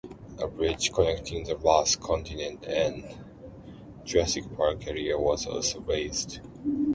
A bridge connecting The Lost Continent and Jurassic Park areas was also razed.